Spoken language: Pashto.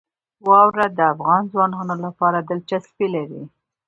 واوره د افغان ځوانانو لپاره دلچسپي لري.